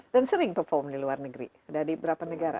dan sering perform di luar negeri ada di berapa negara